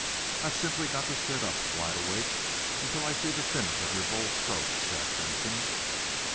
I've simply got to sit up, wide awake, until I see the finish of your bold stroke, Jack Benson."